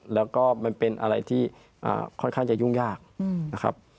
แล้วก็มันเป็นอะไรที่ค่อนข้างจะยุ่งยากนะครับ